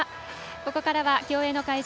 ここからは競泳の会場